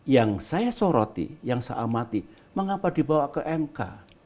yang saya soroti yang saya amati mengapa dibawa ke mk